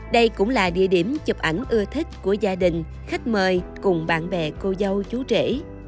đây cũng là địa điểm chụp ảnh ưa thích của gia đình khách mời cùng bạn bè cô dâu chú trẻ